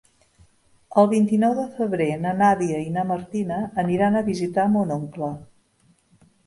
El vint-i-nou de febrer na Nàdia i na Martina aniran a visitar mon oncle.